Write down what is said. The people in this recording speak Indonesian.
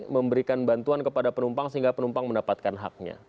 memberikan bantuan kepada penumpang sehingga penumpang mendapatkan haknya